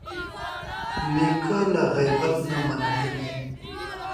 نیکه له غیبت نه منع کوي.